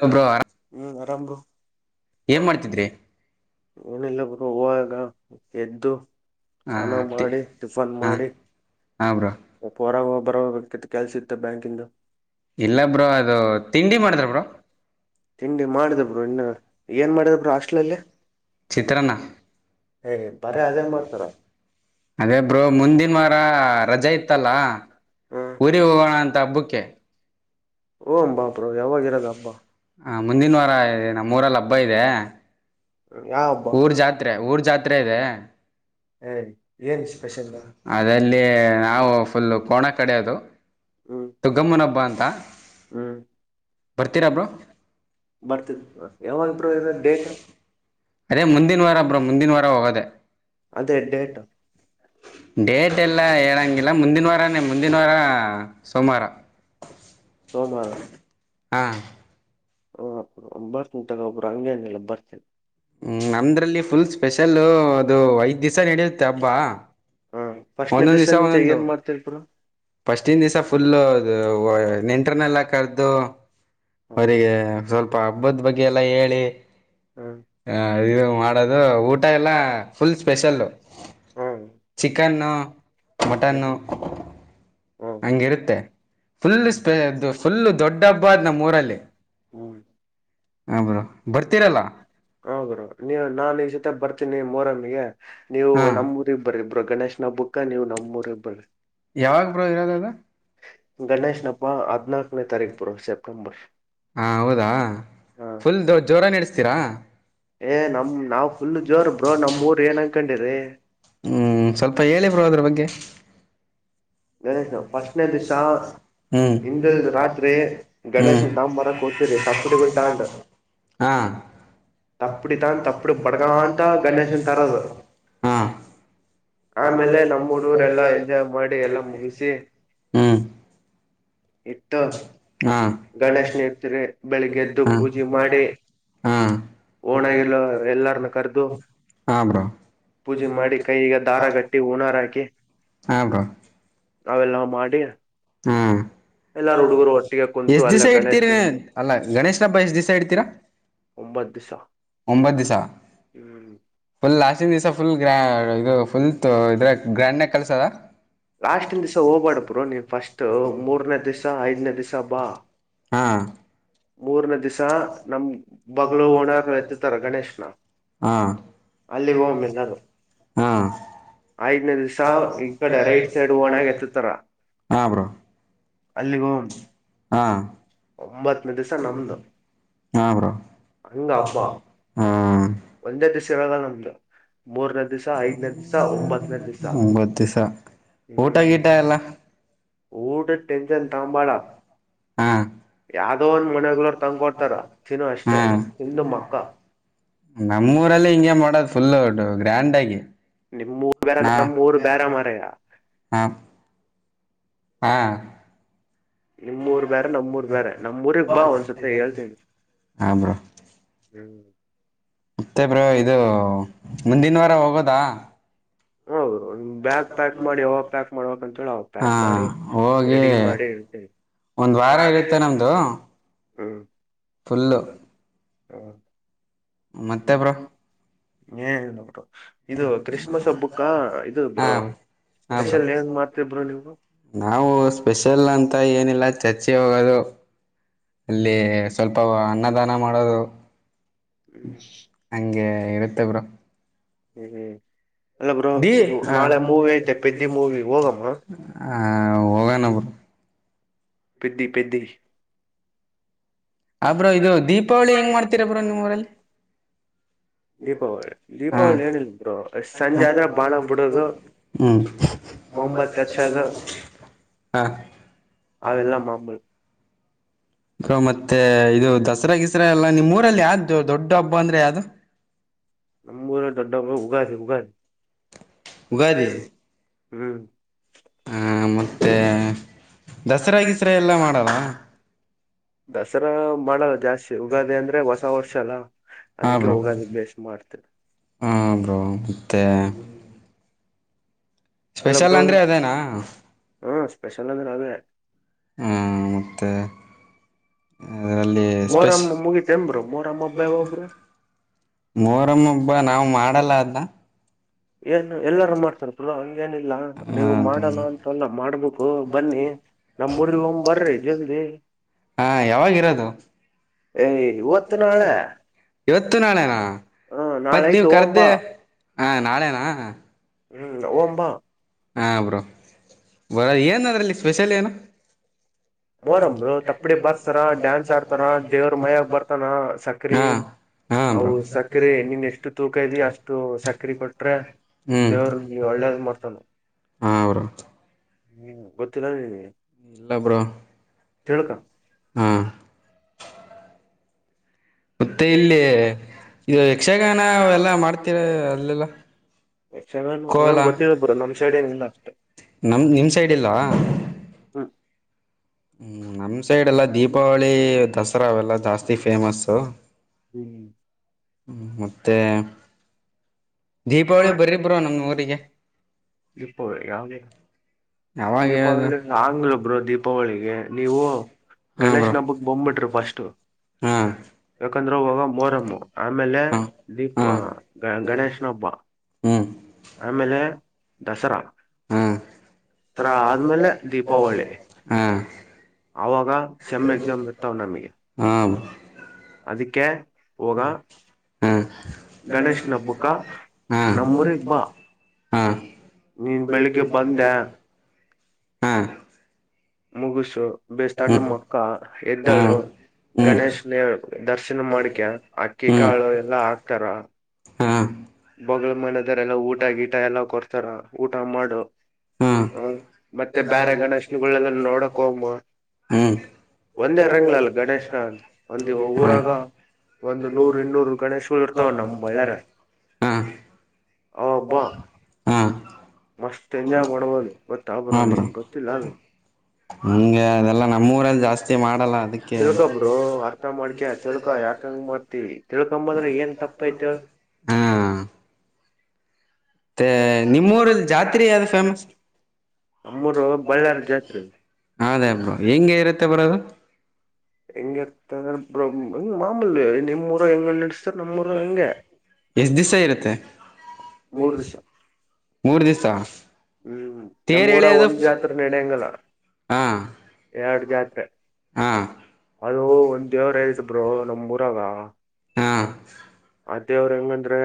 [unintelligible] ಹ್ಮ್ ಆರಾಮ್ ಬ್ರೋ ಏನ್ ಮಾಡ್ತಿದ್ರಿ. ಏನ ಇಲ್ಲ [unintelligible] [unintelligible] ಎದ್ದು ಹ ಚಾನ ಮಾಡಿ ಟಿಫನ್ ಹ ಮಾಡಿ ಹಾ ಬ್ರೋ [unintelligible] ಹೊರಗ್ ಬರಬೇಕತ್ತು [unintelligible] ಕೆಲ್ಸ ಇತ್ತ ಬ್ಯಾಂಕ ಇಂದು. ಇಲ್ಲ ಬ್ರೋ ಅದು ತಿಂಡಿ ಮಾಡಿದ್ರ ಬ್ರೋ. ತಿಂಡಿ ಮಾಡಿದೆ ಬ್ರೋ ಇನ್ನ ಏನ್ ಮಾಡಿದ್ರು ಬ್ರೋ ಹಾಸ್ಟ್ಲಲ್ಲಿ ಚಿತ್ರಾನ್ನ ಬರೇ ಅದೇ [unintelligible] ಮಾಡ್ತಾರ ಅದೇ ಬ್ರೋ ಮುಂದಿನ ವಾರ ರಜೆ ಇತ್ತಲ್ಲ ಹ್ಮ್ ಊರಿಗೆ ಹೋಗೋಣ ಅಂತ ಹಬ್ಬಕ್ಕೆ. ಹೋಗೋಣ್ ಬಾ ಬ್ರೋ ಯಾವಾಗಿರೋದು ಹಬ್ಬ ಹ ಮುಂದಿನ ವಾರ ಇ ನಮ್ಮೂರಲ್ಲಿ ಹಬ್ಬ ಇದೆ. ಯಾವ ಹಬ್ಬ ಊರ್ ಜಾತ್ರೆ ಊರ್ ಜಾತ್ರೆ ಇದೆ ಏ ಏನ್ ಸ್ಪೆಷಲ್ ಅದಲ್ಲಿ [unintelligible] ನಾವು ಹ್ಮ್ ಹ್ಮ್ ಬರ್ತಿನ್ ಬ್ರೋ [unintelligible] ಯಾವಾಗ ಬ್ರೋ ಇರೋದ್ ಡೇಟ ಅದೇ ಮುಂದಿನ ವಾರ ಬ್ರೋ ಮುಂದಿನ ವಾರ ಹೋಗೋದೆ. ಅದೇ ಡೇಟ್ ಹ ಒಂಬತ್ ಹ್ಮ್ ನಮ್ದ್ರಲ್ಲಿ ಫುಲ್ ಸ್ಪೆಷಲ್ ಅದು ಐದ್ ದಿವ್ಸ ನಡೆಯುತ್ತೆ ಹಬ್ಬ [unintelligible] [unintelligible] ಹಾ ಫಸ್ಟ್ನ ಒಂದೊಂದ್ ದಿವಸ ದಿವ್ಸ ಮುಂಚೆ ಒಂದೊಂದು ಏನ್ ಮಾಡ್ತ ಬ್ರೋ, ಫಸ್ಟಿನ ಫಸ್ಟ್ನ್ ದಿವಸ ದಿವ್ಸ ಫುಲ್ ಮುಂಚೆ ನೆಂಟ್ರನೆಲ್ಲ ಕರೆದು ಅವರಿಗೆ ಸ್ವಲ್ಪ ಹಬ್ಬದ ಬಗ್ಗೆ ಎಲ್ಲ ಹೇಳಿ ಆ ಇದು ಮಾಡೋದು ಊಟ ಎಲ್ಲ ಫುಲ್ ಸ್ಪೆಷಲ್ಲು [unintelligible] ಚಿಕನ್ನು ಮಟನ್ನು ಹಂಗಿರುತ್ತೆ ಫುಲ್ ಸ್ಪ ಹ್ಮ್ ಫುಲ್ ದೊಡ್ಡ ಹಬ್ಬದ್ ನಮ್ಮ ಊರಲ್ಲಿ. ಹ್ಮ್. ಹಬಮ ಬರ್ತೀರಲ್ಲ. ನೀ ನಾನ್ ಈ ಜೊತೆ ಬರ್ತೀನಿ ಮೊರಮಗೆ. ನೀವು ಹಾ ನಮ್ಮೂರಿಗೆ ಬರ್ರಿ ಬ್ರೋ. ಗಣೇಶ್ನ ಹಬ್ಬಕ ನೀವು ನಮ್ಮ್ ಊರಗ ಬರಿ. ಯಾವಾಗ ಬ್ರೋ ಇರೋದು ಅದು. ಗಣೇಶ್ನಪ್ಪ ಹದಿನಾಕನೇ ತಾರೀಕ್ ಬ್ರೋ ಸೇಪ್ಟಂಬರ್. ಹಾ ಹೌದಾ ಫುಲ್ ಜೋರ ನಡೆಸ್ತೀರಾ. ಏ ನಮ್ ನಾವ್ ಫುಲ್ ಜೋರ್ ಬ್ರೋ ನಮ್ಮೂರ್ ಏನ್ ಅನ್ಕೊಂಡಿರಿ ಹ್ಮ್ ಸ್ವಲ್ಪ ಹೇಳಿ ಬ್ರೋ ಅದ್ರ ಬಗ್ಗೆ. ಗಣೇಶ್ ಫಸ್ಟ್ನೇ ದಿವ್ಸ [unintelligible] ತಂಬ ಬರಾಕ್ ಹೊತಿರಿ ತಪ್ಪಡಿಗಳ ತೊಂಡ ಹಾ ತಪ್ಪಡಿ ತಂದ್ ತಪ್ಪಡಿ ಬಡ್ಗ ಅಂತ ಗಣೇಶನ್ ತರದು ಹಾ ಆಮೇಲೆ ನಮ್ಮ ಹುಡುಗರು ಎಲ್ಲಾ ಎಂಜಾಯ್ ಮಾಡಿ ಎಲ್ಲ. ಹ್ಮ್. ಇಟ್ಟು ಹಾ ಗಣೇಶನ ಇರ್ತಿರಿ ಬೆಳಿಗ್ಗೆ ಎದ್ದು ಪೂಜೆ ಮಾಡಿ ಹಾ ಓಣಗಲ್ಲ ಎಲ್ಲರನ್ನ ಕರದು ಹಾ ಬ್ರೋ ಪೂಜೆ ಮಾಡಿ ಕೈಗೆ ದಾರಗಟ್ಟಿ ಹೂಣಾರ ಹಾಕಿ. ಅವೆಲ್ಲ ಮಾಡಿ ಎಲ್ಲಾರು ಹುಡುಗರು ಒಟ್ಟಿಗೆ [inaudible] ಕುಂತು ಎಷ್ಟ ದಿವಸ ಅಲ್ಲೇ ಇಡ್ತೀರ ಗಣೇಶ ಅಲ್ಲ ಗಣೇಶನ ಹಬ್ಬ ಎಷ್ಟ್ ದಿಸಾ ಇಡ್ತೀರಾ ಒಂಬತ್ ದಿವ್ಸ ಒಂಬತ್ ದಿಸಾ ಹ್ಮ್ ಫುಲ್ ಲಾಸ್ಟೆನ್ ದಿವಸ ಫುಲ್ ಗ್ರಾ ಅಂದ್ರೆ ಫುಲ್ ಇದ ಗ್ರ್ಯಾಂಡನೇ ಕಲ್ಸಾರ ಹಾ ಲಾಸ್ಟಿನ ದಿವ್ಸ ಹೋಗ್ಬೇಡ ಬ್ರೋ ನೀನ್ ಫಸ್ಟ್ ಮೂರನೇ ದಿವ್ಸ ಐದನೇ ದಿವ್ಸ ಬಾ ಮೂರನೇ ದಿವ್ಸ ನಮ ಬಲು ಓಣಾರ್ ಎತ್ತತಾರ ಗಣೇಶನ ಹಾ ಅಲ್ಲಿ ಹೋಮ್ಮ ಎಲ್ಲರು ಹಾ ಐದನೇ ದಿವ ಸ ಈ ಕಡೆ ರೈಟ್ ಸೈಡ್ ಓಣಗ ಎತ್ತತ್ತರ. ಹಾ ಬ್ರೋ ಹಾ. ಒಂಬತ್ತನೇ ದಿವ್ಸ ನಮ್ದು [unintelligible] ಹಂಗ ಹಬ್ಬ [unintelligible] ದಿವ್ಸ ಐದನೇ ದಿವ್ಸ ಒಂಬತ್ತನೇ ದಿವ್ಸ ಒಂಬತ್ತು ದಿವ್ಸ ಊಟ ಗೀಟ ಎಲ್ಲ. ಊಟದ ಟೆನ್ಷನ್ ತಗಂಬಾಡ ಹ್ಮ, ಯಾವ್ದೋ ಒಂದ್ ಮನೆಗಳೋರ್ ತಂದ್ಕೊಡ್ತಾರ ತಿನ್ನು ಅಷ್ಟೇ ಹ್ಮ ತಿಂದು ಮಕ್ಕ ನಮ್ಮೂರಲ್ಲಿ ಹಿಂಗೆ ಮಾಡೋದು ಫುಲ್. ಸರಿ. ಗ್ರ್ಯಾಂಡ್ ಆಗಿ. ನಿಮ್ ಊರು ಬೇರೆ ನಮ್ ಊರು ಬ್ಯಾರೆ ಮಾರಾಯ. ಆಪ್ ಹಾ. ನಿಮ್ಮೂರ್ ಬೇರೆ ನಮ್ಮೂರ್ ಬೇರೆ ನಮ್ಮೂಊರ್ಗ್ ಬಾ ಒಂದ್ಸತ್ತ ಹೇಳ್ತೇನಿ. ಹಾ ಬ್ರೋ ಹ್ಮ. ಮತ್ತೆ ಬ್ರೋ ಇದು ಮುಂದಿನ ವಾರ ಹೋಗೋದಾ. ಹೌದು. ಬ್ಯಾಗ್ ಪ್ಯಾಕ್ ಮಾಡಿ ಯಾವಾಗ ಪ್ಯಾಕ್ ಮಾಡಬೇಕ್ ಅಂತೇಳ ಹಾ ಪ್ಯಾಕ್ ಮಾಡಿ, ಹೋಗಿ ರೆಡಿ ಮಾಡಿ, ಒಂದ್ ವಾರ ಇರುತ್ತೆ ನಮ್ದು ಹ್ಮ್. [inaudible] ಫುಲ್ಲು.. [inaudible] ಹ.. [inaudible] ಮತ್ತೆ, ಬ್ರೋ. [inaudible] ಏನಿಲ್ಲ, ಬಿಟ್. [inaudible] ಇದು ಹ, ಬ್ರೋ ಹ, ಬ್ರೋ, ಸ್ಪೆಷಲ್ ಏನ್ ಮಾಡ್ತೀರಿ ಬ್ರೋ ನೀವು ನಾವು, ಸ್ಪೆಷಲ್ ಅಂತ ಏನಿಲ್ಲ ಚರ್ಚೆ. [unintelligible] ಹರು ಅಲ್ಲಿ, ಸ್ವಲ್ಪ. [inaudible] ಅವ, ಅನ್ನದಾನ, ಮಾಡೋದು. ಹ್ಮ್ [inaudible] ಹಂಗೆ, ಇರುತ್ತೆ, ಬ್ರೋ. [inaudible] ಹ್ಮ್.. [unintelligible] ಅಲ್ಲ, ಬ್ರೋ, ದಿ ಇದು ಹಾ ನಾಳೆ ಮೂವಿ ಐತೆ ಪೆದ್ದಿ ಮೂವಿ, ಹೋಗಮ್ಮ? [inaudible] ಹ, ಹೋಗನಾ, ಬಿಡು. [inaudible] ಪೆದ್ದಿ, ಪೆದ್ದಿ. [inaudible] ಆ ಬ್ರೋ ಇದು ದೀಪಾವಳಿ, ದೀಪಾವಳಿ ಹೆಂಗ್ ಮಾಡ್ತೀರಾ ಬ್ರೋ ಹೇಗೆ, ನಿಮ್ ಊರಲ್ಲಿ ಮಾಡುತ್ತೀರಾ ಹಾ ದೀಪಾವಳಿ ಏನ್ ಇಲ್ಲ ಬ್ರೋ, ಸಂಜೆ ಆದ್ರ ಬಾಳ ಬಿಡದು, ಹ್ಮ್ ಬಹುಮತ. ಹಚ್ಚೋದು ಹಾ ಅವೆಲ್ಲಾ ಮಾಮೂಲಿ. [inaudible] ಹ, ಮತ್ತೆ ಇದು ದಸರಾ ಗೀಸರ, ಎಲ್ಲ ನಿಮ್ಮ, ಊರಲ್ಲಿ ಯಾವ್ದು ದೊಡ್ಡ ಹಬ್ಬ ಅಂದ್ರೆ ಯಾವ್ದು? ನಮ್ಮೂರ ದೊಡ್ಡ ಯುಗಾದಿ, ಉಗಾದಿ ಹಬ್ಬ. [unintelligible] ಉಗಾದಿ ಯುಗಾದಿ. [inaudible] ಹ್ಮ್.. [inaudible] ಹಾ, ಮತ್ತೆ, ದಸರಾ, ಗೀಸರ, ಎಲ್ಲ ಮಾಡಲ್ಲ. [inaudible] ದಸರಾ, ಮಾಡಲ್ಲ, ಜಾಸ್ತಿ ಯುಗಾದಿ ಅಂದ್ರೆ, ಹೊಸ ವರ್ಷ ಅಲ್ಲ ಹಾ ಅದಕ್ಕೆ! ಬ್ರೋ ಯುಗಾದಿ ಬೇಸ್ಮಾಡ್ತೀವಿ. ಹಾ [unintelligible] ಬ್ರೋ ಮತ್ತೆ. [unintelligible] ಅಲ್ಲ ಸ್ಪೆಷಲ್, ಅಂದ್ರೆ ಅದೇನಾ. [inaudible] ಸ್ಪೆಕ್ಯುಲ್, ಅಂದ್ರೆ, ಅದೇ. [inaudible] ಹಾ ಅರಲ್ಲಿ ಸ್ಟ್ರೆಸ್, ಮೊಹರಂ ಮುಗಿತೇನ್ ಬ್ರೋ ಮೊಹರಂ ಹಬ್ಬ ಯಾವಾಗ ಬ್ರೋ ಮೊರಮ್ಮ, ಹಬ್ಬ, ನಾವು ಮಾಡ. [unintelligible] ಮಾಡಲ್ಲ, ಅದನ್ನ. [inaudible] ಏನ್, ಎಲ್ಲಾರು, ಮಾಡ್ತಾರೆ, ಬ್ರೋ. [inaudible] ಏನಿಲ್ಲ! ನೀವು ಮಾಡಲ್ಲ ಅಂತಲ್ಲ ಮಾಡ. [inaudible] ಮಾಡ್ಬೇಕು, ಬನ್ನಿ ನಮ್ಮ, ಊರಿಗೆ, ಬರ್ರಿ, ಜಲ್ದಿ ಹಾ ಯಾವಾಗಿರೋದು ಏ ಇವತ್ತು, ನಾಳೆ, ಇವತ್ತು ನಾಳೆನಾ ಹ ನಾಳೆ ಮತ್ ನೀವ್ ಆಯ್ತೇ, ಹೋಗೋಮ, ಕರ್ದೆ ಬಾ. [inaudible] ಹಾ, ನಾಳೆನಾ. [inaudible] ಹ್ಮ, ಹೋಗಮುಭಾ. [inaudible] ಹಾ, ಬ್ರೋ, ಬ, ಏನ್ ಅದ್ರಲ್ಲಿ ಸ್ಪೆಷಲ್ ಏನು? [inaudible] ಮೋರಮರು, ತಪ್ಪಡಿ ಬತ್ಸಾರ ಡ್ಯಾನ್ಸ್ ಆಡ್ತಾರ ದೇವ್ರ ಮಯಾಗ ಬರುತ್ತಾನೆ, ಸಕ್ರಿ, ಹಾ ಹಾ ಅವು ಬ್ರೋ ಸಕ್ರಿ, ನಿನ್ ಎಷ್ಟು ತೂಕ ಇದವಿ, ಅಷ್ಟು ಸಕ್ರಿ ಕೊಟ್ರೆ ಹ್ಮ್ ದೇವ್ರ. [inaudible] ಮಾಡ್ತಾನ ಹಾ ಅವರ ಹ್ಮ್ ಗೊತ್ತಿಲ್ಲ ನೀನಗೆ. ಇಲ್ಲ ಬ್ರೋ ಹಾ. ಮತ್ತೆ ಇಲ್ಲಿ ಇದು ಯಕ್ಷಗಾನ ಎಲ್ಲ ಮಾಡ್ತೀರ ಅಲ್ಲೆಲ್ಲ ಯಕ್ಷಗಾನ ಕೋಲ ಗೊತ್ತಿದೆ ಬ್ರೋ ನಮ್ ಸೈಡ್ ಏನಿಲ್ಲ ಅಷ್ಟೆ ನಮ್ ನಿಮ್ ಸೈಡ್ ಇಲ್ವಾ ಹ್ಮ್. ಹ್ ನಮ್ಮ ಸೈಡೆಲ್ಲ ದೀಪಾವಳಿ ದಸರಾ ಅವೆಲ್ಲ ಜಾಸ್ತಿ ಫೇಮಸ್ಸು. ಮತ್ತೆ ದೀಪಾವಳಿ ಬರ್ರಿ ಬ್ರೋ ನಮ್ ದೀಪಾವಳಿಗ ಊರಿಗೆ ಯಾವಾಗ ಹೇಳದು ದೀಪಾವಳಿ ಆಗ್ಲ ಬ್ರೋ ದೀಪಾವಳಿಗೆ ನೀವು ಹಾ ಬ್ರೋ ಗಣೇಶನ ಹಬ್ಬಕ್ ಬಂಬ್ಬಿಟ್ರಿ ಫಸ್ಟು ಹಾ ಯಾಕ್ ಯಾಕಂದ್ರೆ ಅವಾಗ ಮೋರಮ್ಮು ಆಮೇಲೆ ಹಾ ದೀಪ ಹಾ ಗಣೇಶ್. ಬ್ಬ ಹ್ಮ್ ಆಮೇಲೆ ದಸರಾ ಹಾ ದರಾ ಆದ್ಮೇಲೆ ದೀಪಾವಳಿ. ಹಾ ಅವಾಗ ಸೆಮ್ ಎಕ್ಸಾಮ್ ಇರ್ತಾವ್ ನಮಗೆ. ಹಾ ಅದಕ್ಕೆ ಹೋಗ ಹಾ ಹಾ ನಮ್ಮೂರಿಗ್ ಬಾ ಹಾ ನೀನ್ ಬೆಳಿಗ್ಗೆ ಬಂದೆ ಹಾ ಮುಗುಸು ಬಿಸ ಸಣ್ಣ ಮಕ್ಕ ಎದ್ದಳು ಹ್ಮ್ ಗಣೇಶನ ದರ್ಶನ ಮಾಡಿಕ ಅಕ್ಕಿ ಹ್ಮ್ ಕಾಳು ಎಲ್ಲಾ ಹಾಕ್ತಾರ. ಹಾ ಬಗಳ ಮನದರೆ ಎಲ್ಲ ಊಟ ಗೀಟ ಎಲ್ಲ ಕೊಡ್ತಾರ ಊಟ ಮಾಡು ಹಾ ಮತ್ತೆ ಬ್ಯಾರೆಗಣಷ್ನ ಲ್ಲ ನೋಡಕ ಹೊಮ್ಮ ಹ್ಮ್ ಒಂದೇ ರಂಗಲಲ್ ಗಣೇಶನ ಒಂದ ಊರಾಗ ಒಂದ್ ನೂರ್ ಇನ್ನೂರ್ ಗಣೇಶಗಳು ಇರ್ತಾವ ನಮ ಬಳ್ಳ್ಯಾರ ಹಾ ಆಬ್ಬಾ ಹಾ ಮಸ್ತ್ ಎಂಜಾಯ್ ಮಾಡ್ಬೋದು ಗೊತ್ತಾ ಹಾ ಬ್ರೋ ನಿಂಗ್ ಗೊತ್ತಿಲ್ಲ ಅದು. ಎಲ್ಲ ನಮ್ಮೂರಲ್ಲಿ ಜಾಸ್ತಿ ಮಾಡಲ್ಲ ಅದಕ್ಕೆ. ತಿಳ್ಕಾ ಯಾಕಂಗ ಮಾಡ್ತಿ ತಿಳ್ಕಂಬದ್ರೆ ಏನ್ ತಪ್ಪ? ಹಾ ಮತ್ತೆ ನಿಮ್ಮೂರಲ್ಲಿ ಜಾತ್ರೆ ಯಾವ್ದು ಫೇಮಸ್ ಅಮ್ಮೂರು ಬಳ್ಳಾರಿ ಜಾತಿ ಅದೇ ಹಬ್ಬ ಹೆಂಗೆ ಇರುತ್ತೆ ಬ್ರೋ ಅದು? ಹಿಂಗೀರತ್ ಅಂದ್ರ ಬ್ರೋ ಹೆಂಗ್ ಮಾಮೂಲಿ ನಿಮ್ಮ್ ಊರ ಹೆಂಗ ನಡೆಸ್ತಾರ ನಮ್ ಊರಗ ಹಂಗೆ. ಮೂರ್ ದಿವ್ಸ ಮೂರು ದಿವಸ. ಹ್ಮ್ ನಮ್ಮ ಊರಾಗ ಒಂದ್ ಜಾತ್ರೆ ನಡೆಯಂಗಲ್ಲ ಹಾ ಎರಡ್ ಜಾತ್ರೆ ಹಾ ಅದು ಒಂದ ದೇವ್ರ ಹೆಸ ನಮ್ಮ್ ಊರಾಗ. ಹಾ ಆ ದೇವ್ರ ಹಂಗಂದ್ರೆ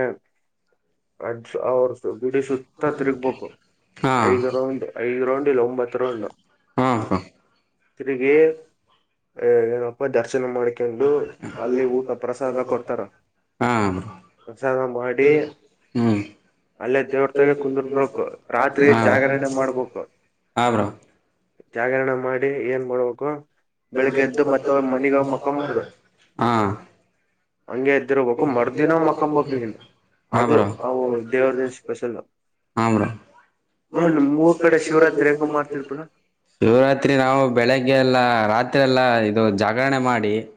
ಅದ ಅವರ್ ಗುಡಿ ಸುತ್ತ ತೀರ್ಗ್ಬೇಕ್. ಹಾ ಐದ ರೌಂಡ್ ಐದ್ ರೌಂಡ್ ಇಲ್ಲ ಒಂಬತ್ತು ರೌಂಡ್ ಹಾ ಬ್ರೋ ತಿರಗಿ ರ್ [inaudible] ದರ್ಶನ ಮಾಡ್ಕೊಂಡು ಅಲ್ಲಿ ಊಟ ಪ್ರಸಾದ ಕೊಡ್ತಾರ ಹಾ ಬ್ರೋ ಪ್ರಸಾದ ಮಾಡಿ ಹ್ಮ್ ಅಲ್ಲೇ ದೇವ್ರತೆಗ ಕುಂದ್ರಬೇಕು. ರಾತ್ರಿ ಹಾ ಜಾಗರಣೆ ಮಾಡಬೇಕ. ಹಾ ಬ್ರೋ ಜಾಗರಣೆ ಮಾಡಿ ಏನ್ ಮಾಡ್ಬೇಕು. ಬೆಳಿಗ್ಗೆ ಎದ್ದು ಮತ್ತ ಹೊಳ್ಳಿ ಮನಗ ಮಕ್ಕೊಂಡ್ಬಿಡ್ಬೆಕ್. ಹಾ ಹಂಗೆ ಇದ್ದಿರಬೇಕು ಮರ್ದಿನ ಮಕೊಂಬಕ ಇಲ್ಲಿ ಹಾ ಅದು ಬ್ರೋ ಅವು ದೇವ್ರದ ಸ್ಪೆಷಲ್. ಹಾ ಬ್ರೋ ಬ್ರೋ ನಿಮ್ಮೂರ್ ಕಡೆ ಶಿವರಾತ್ರಿ ಹೆಂಗ ಮಾಡ್ತಿರ್ ಬ್ರೋ ಶಿವರಾತ್ರಿ ನಾವು ಬೆಳಿಗ್ಗೆ ಎಲ್ಲ ರಾತ್ರಿ ಎಲ್ಲಾ ಇದು ಜಾಗರಣೆ ಮಾಡಿ. ಹ.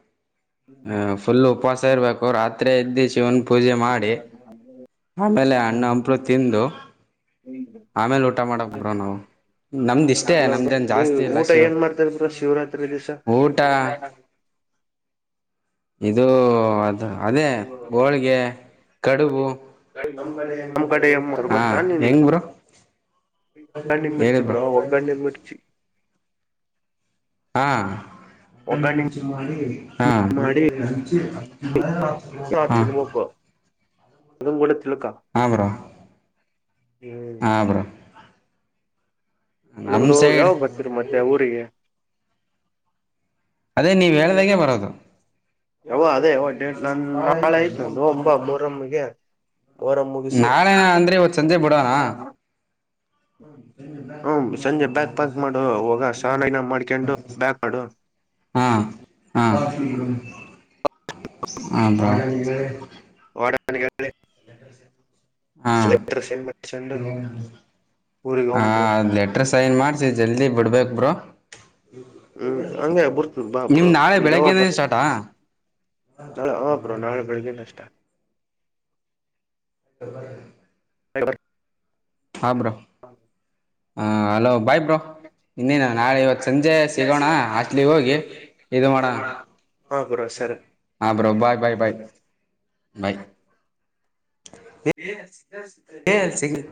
ಹ್ಮ ಫುಲ್ ಉಪವಾಸ ಇರಬೇಕು ರಾತ. [inaudible] ಎದ್ದು ಶಿವನ್ ಪೂಜೆ ಮಾಡಿ ಆಮೇಲೆ ಅಣ್ಣ ಹಂಪಲು ತಿಂದು. ಆಮೇಲೆ ಊಟ ಮಾಡಕ್ ಬ್ರೋ ನಾವು. ನಮ್ದ ಇಷ್ಟೇ ನಮ್ದೇನ್ ಜಾಸ್ತಿ ಇಲ್ಲ ಊಟ ಶಿವ ಏನ್ ಮಾಡ್ತಾರ ಬ್ರೋ ಶಿವರಾತ್ರಿ ದಿವಸ. ಊಟ ಇದು. ಅದೇ ಹೋಳಿಗೆ ಕಡುಬು ನಮ್ ಕಡೆ ಏನ್ ಮಾಡ್ತಾರ್ ಹಾ ಗೊತ್ತಾ ನಿನ್ಗೆ ಹೆಂಗ ಬ್ರೋ ಒಗ್ಗರಣೆ ಹೇಳ ಮಿರ್ಚಿ ಬ್ರೋ. ಒಗ್ಗರಣೆ ಮಿರ್ಚಿ ಹಾ ಒಗ್ಗರಣೆ ಹಾ ಮಾಡಿ [inaudible] ಹ್ಮ್ ಇಗೊಳು [unintelligible] ತಿಳ್ಕೊ. ಹಾ ಬ್ರೋ ಹಲೋ ನಮ್ ಬ್ರೋ ಸೈಡ್ ಯಾವಾಗ ಬರ್ತೀರಾ ಮತ್ತೆ ಊರಿಗೆ. ಅದೇ ನೀವ್ ಹೇಳ್ದಾಗೆ ಬರೋದು ಯಾವ ಅದೇ ಯಾವ ಡೇಟ್ ನನ್ ನಾಳೆ ಆಯ್ತುತಾ ಅದ ಮೂರೊಮ್ಮಗೆ. ಅವ್ರ ಮುಗಸೆ ನಾಳೆನ ಹ ಚಾನನ [unintelligible] ಮಾಡ್ಕೊಂಡು ಬ್ಯಾಕ್ ಮಾಡು. ಹ ಮಾಡ [unintelligible] ಹಾ ಸ ಊರಿಗ ಹಾ ಒಂಬರು [inaudible] ಲೆಟ್ರ್ ಸೈನ್ ಮಾಡಿಸಿ ಜಲ್ದಿ ಬಿಡ್ಬೇಕು ಬ್ರೋ. ಹ್ಮ್ ಹಂಗಗೆ ಬರ್ತ ನಿಮ್ ಬಾಬರು ನಾಳೆ ಯಾಗ ಬೆಳಗ್ಗೆನೇ ಸ್ಟಾರ್ಟಾ ನಾಳೆ ಹಬ್ರು ನಾಳೆ ಬೆಳಿಗ್ಷ್ಟ ಹ ಬಬ [inaudible] ಅಬ್ರೋ ಹ ಹಲೋ ಭಾಯ ಸಿಗೋಣ ಹಾಸ್ಟ್ಲಿಗೆ ಹೋಗಿ ನಾ ಇದು ಮಾಡೋಣ ಹಾ ಬ್ರೋ ಬಾಯ್ ಬಾಯ್ ಸ ಬಾಯ್ ಬಾಯ್ [inaudible] ಏ ಸಿಗ್ಲಿ